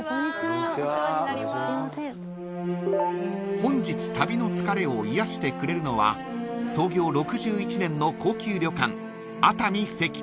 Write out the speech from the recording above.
［本日旅の疲れを癒やしてくれるのは創業６１年の高級旅館］